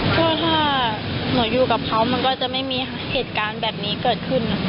ก็ถ้าหนูอยู่กับเขามันก็จะไม่มีเหตุการณ์แบบนี้เกิดขึ้น